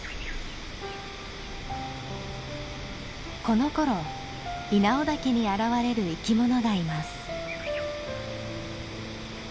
このころ稲尾岳に現れる生きものがいます。